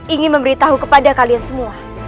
ingin memberi tahu kepada kalian semua